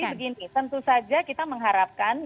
jadi begini tentu saja kita mengharapkan